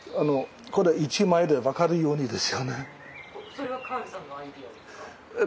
それはカールさんのアイデアですか？